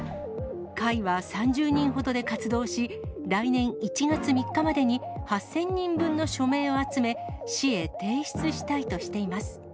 会は３０人ほどで活動し、来年１月３日までに８０００人分の署名を集め、市へ提出したいとしています。